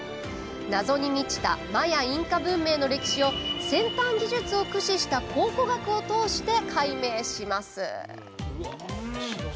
謎に満ちたマヤ・インカ文明の歴史を先端技術を駆使した考古学を通して解明します。